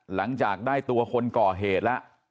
หลังจากได้ตัวคนก่อเหตุแล้ว